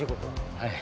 はい。